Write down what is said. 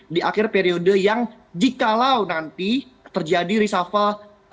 di akhir periode yang jikalau nanti terjadi reshuffle